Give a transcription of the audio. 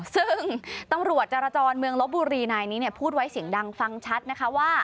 ซึ่งตำรวจจารจรเมืองลบบุรีนายนี้พูดไว้เสียงดังฟังชัดนะคะว่า